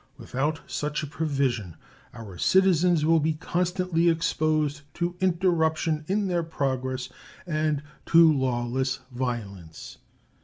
Without such a provision our citizens will be constantly exposed to interruption in their progress and to lawless violence.